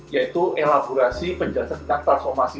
yaitu elaborasi penjelasan tentang transformasi